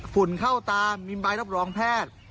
ฝุ่นเข้าตามีใบรับรองแพทย์